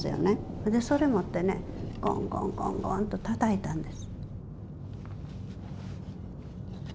それでそれ持ってねゴンゴンゴンとたたいたんです。